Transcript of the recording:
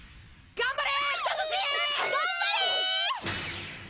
頑張れ！